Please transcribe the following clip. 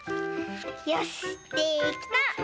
よしできた！